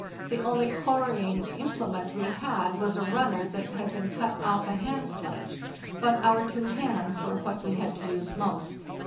The only quarrying implement we had g was a runner that had been cut off a hand sledge; but our two hands were what we had to use most.